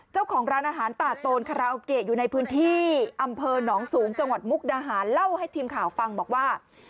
เจ้าของร้านอาหารตาโตนคาราโอเกะอยู่ในพื้นที่อำเภอหนองสูงจังหวัดมุกดาหารเล่าให้ทีมข่าวฟังบอกว่า